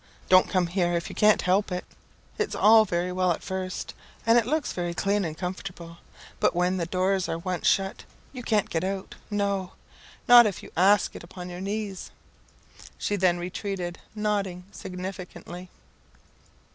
Don't come here if you can help it. It's all very well at first, and it looks very clean and comfortable; but when the doors are once shut, you can't get out no, not if you ask it upon your knees." She then retreated, nodding significantly.